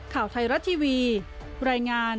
ข่าวไทยรัฐทีวีรายงาน